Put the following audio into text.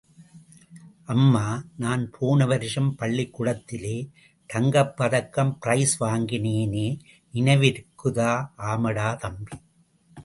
அம்மா, நான் போனவருஷம் பள்ளிக்கூடத்திலே தங்கப் பதக்கம் ப்ரைஸ் வாங்கினேனே, நினைவிருக்குதா? ஆமாடா, தம்பி.